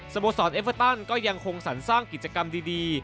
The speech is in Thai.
สโมสรเอเวทันยังคงสรรสร้างกิจกรรมดี